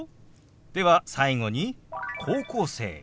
では最後に「高校生」。